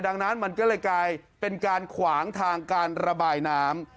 ดังนั้นมันก็เลยกลายเป็นการขวางทางการระบายน้ำ